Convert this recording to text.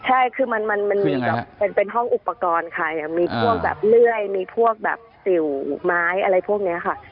ใช่คือมันมีแบบเป็นห้องอุปกรณ์ค่ะมีพวกแบบเลื่อยมีพวกแบบสิวไม้อะไรพวกนี้ค่ะ